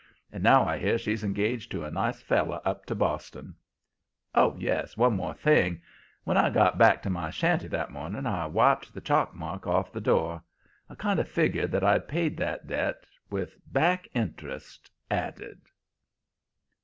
And now I hear she's engaged to a nice feller up to Boston. "Oh, yes one thing more. When I got back to my shanty that morning I wiped the chalkmark off the door. I kind of figgered that I'd paid that debt, with back interest added."